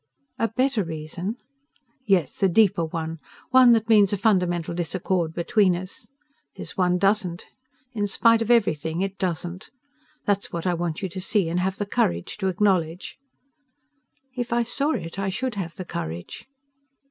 "A better reason?" "Yes: a deeper one. One that means a fundamental disaccord between us. This one doesn't in spite of everything it doesn't. That's what I want you to see, and have the courage to acknowledge." "If I saw it I should have the courage!"